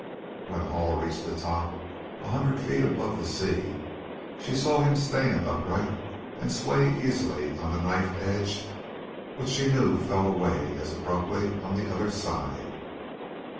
When Hall reached the top, a hundred feet above the sea, she saw him stand upright and sway easily on the knife edge which she knew fell away as abruptly on the other side.